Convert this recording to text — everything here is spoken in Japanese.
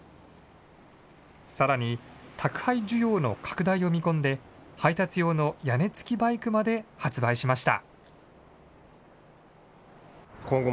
さらに宅配需要の拡大を見込んで、配達用の屋根付きバイクまで発売しました。